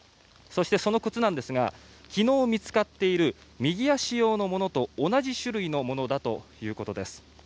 そして、その靴ですが昨日見つかっている右足用のものと同じ種類のものだということです。